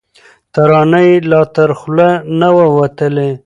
ترانه یې لا تر خوله نه وه وتلې